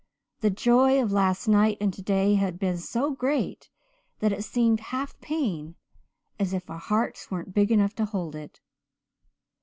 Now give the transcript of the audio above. The joy of last night and today has been so great that it seemed half pain as if our hearts weren't big enough to hold it.